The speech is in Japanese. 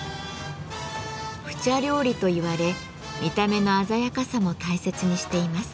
「普茶料理」といわれ見た目の鮮やかさも大切にしています。